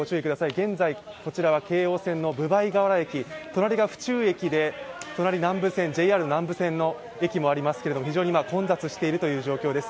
現在、こちらは京王線の分倍河原駅、隣が府中駅でとなり、ＪＲ南武線の駅もありますけれども非常に混雑している状況です。